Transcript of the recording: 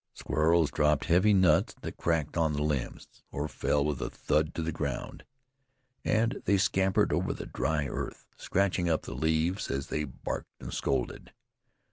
Squirrels dropped heavy nuts that cracked on the limbs, or fell with a thud to the ground, and they scampered over the dry earth, scratching up the leaves as they barked and scolded.